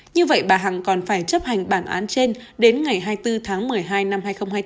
như vậy bà hằng còn phải chấp hành bản án trên đến ngày hai mươi bốn tháng một mươi hai năm hai nghìn hai mươi bốn